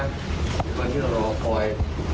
วันที่เรารอคอย